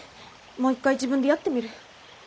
もう一回自分でやってみる。